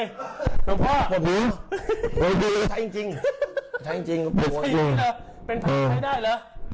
ของพ่อของหนูโดยดูแล้วก็ใช้จริงจริงใช้จริงจริงใช้จริงจริงเหรอ